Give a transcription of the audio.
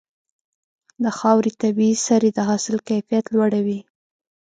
د خاورې طبيعي سرې د حاصل کیفیت لوړوي.